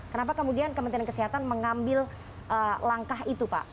kenapa kemudian kementerian kesehatan mengambil langkah itu pak